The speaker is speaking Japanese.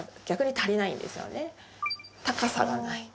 高さがない。